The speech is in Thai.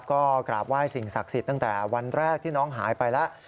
ก็กราบไหว้สิ่งศักดิ์สิทธิ์ตั้งแต่วันแรกที่น้องหายไปแล้ว